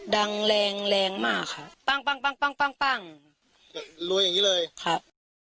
ดังแรงแรงมากค่ะปังปังปังปังปังปังรวยอย่างนี้เลยครับ